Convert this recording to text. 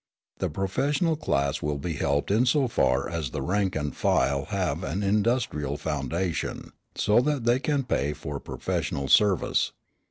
The professional class will be helped in so far as the rank and file have an industrial foundation, so that they can pay for professional service.